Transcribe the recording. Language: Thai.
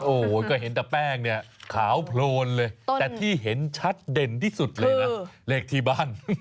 โอ้โหก็เห็นแต่แป้งเนี่ยขาวโพลนเลยแต่ที่เห็นชัดเด่นที่สุดเลยนะเลขที่บ้าน